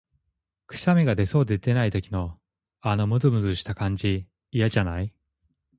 くしゃみが出そうで出ない時の、あのむずむずした感じ、嫌じゃない？